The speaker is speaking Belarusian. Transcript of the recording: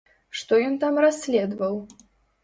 Што ён там расследаваў?